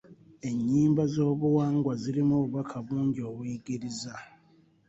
Ennyimba ez'obuwangwa zirimu obubaka bungi obuyigiriza.